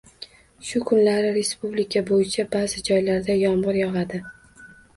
Shu kunlari respublika bo‘yicha ba’zi joylarda yomg‘ir yog‘adi